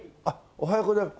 おはようございます。